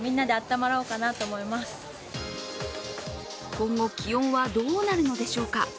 今後気温はどうなるのでしょうか。